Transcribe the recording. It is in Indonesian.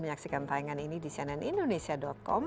menyaksikan taingan ini di cnn indonesia com